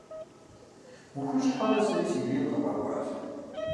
Ухущхьэурэ сэри си жеин къэбгъэкӏуащ.